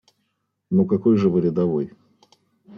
Ну какой же Вы рядовой?